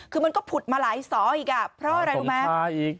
คือมันก็ผุดมาหลายสออีกอ่ะเพราะอะไรรู้ไหม